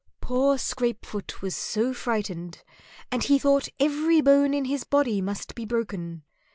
Poor Scrapefoot was so frightened, and he thought every bone in his body must be broken.